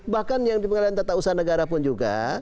bahkan yang diperkenalkan tata usaha negara pun juga